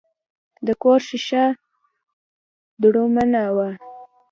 د کور شیشه دوړمنه وه.